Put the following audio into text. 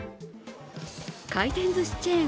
回転ずしチェーン